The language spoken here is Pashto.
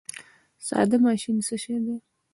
ساده ماشین څه شی دی؟